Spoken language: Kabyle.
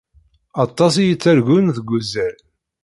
Aṭas i yettargun deg uzal.